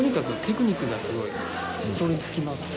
それに尽きます。